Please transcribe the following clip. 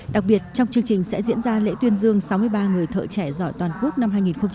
đặc biệt trong chương trình sẽ diễn ra lễ tuyên dương sáu mươi ba người thợ trẻ giỏi toàn quốc năm hai nghìn hai mươi